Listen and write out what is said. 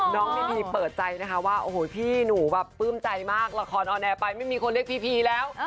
น้องนิพีเปิดใจนะคะว่าโอ้โหพี่หนูแบบปลื้มใจมากละครออนแอร์ไปไม่มีคนเรียกพีพีแล้ว